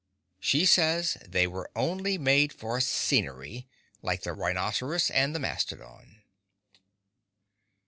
She says they were only made for scenery—like the rhinoceros and the mastodon.